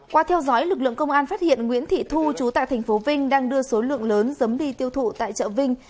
qua theo dõi lực lượng công an phát hiện nguyễn thị thu chú tại tp vinh đang đưa số lượng lớn đi tiêu thụ tại chợ vinh